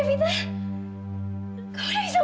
evita mau kasih tau sesuatu